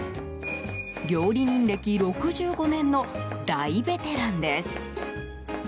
料理人歴６５年の大ベテランです。